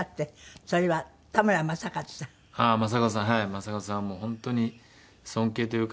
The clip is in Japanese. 正和さんはもう本当に尊敬というか。